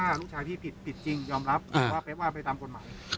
ถ้าลูกชายพี่ผิดผิดจริงยอมรับว่าเป๊กว่าไปตามกฎหมาย